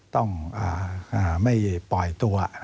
ต้องไม่ปล่อยตัว